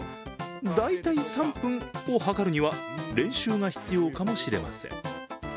大体３分を測るには練習が必要かもしれません。